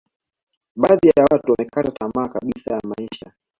badhi ya watu wamekata tama kabisa ya maisha